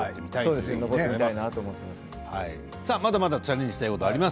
まだまだチャレンジしたいことがあります。